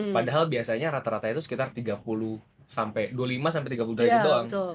padahal biasanya rata rata itu sekitar tiga puluh sampai dua puluh lima sampai tiga puluh derajat doang